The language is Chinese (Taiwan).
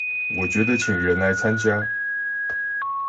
我覺得請人來參加